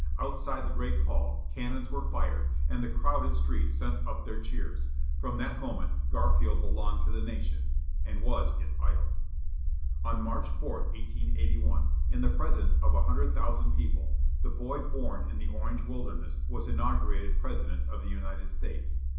Outside the great hall, cannons were fired, and the crowded streets sent up their cheers. From that moment Garfield belonged to the nation, and was its idol. On March 4, 1881, in the presence of a hundred thousand people, the boy born in the Orange wilderness was inaugurated President of the United States.